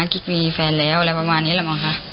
กิ๊กมีแฟนแล้วอะไรประมาณนี้แหละมั้งคะ